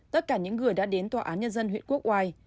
tất cả những người đã đến tòa án nhân dân huyện quốc oai